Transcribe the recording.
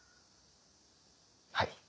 はい。